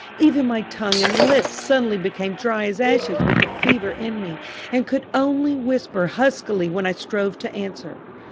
Even my tongue and lips suddenly became dry as ashes with the fever in me, and could only whisper huskily when I strove to answer.